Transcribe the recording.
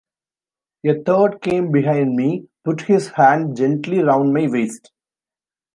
A third came behind me, put his hand gently round my waist.